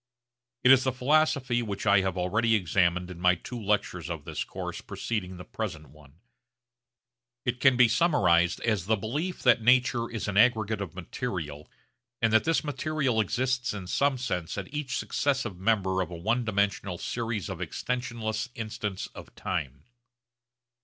It is the philosophy which I have already examined in my two lectures of this course preceding the present one. It can be summarised as the belief that nature is an aggregate of material and that this material exists in some sense at each successive member of a one dimensional series of extensionless instants of time.